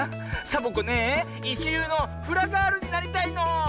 サボ子ねえいちりゅうのフラガールになりたいの！